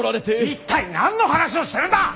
一体何の話をしてるんだ！